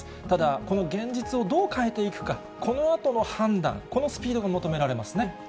ただ、この現実をどう変えていくか、このあとの判断、このスピードが求められますね。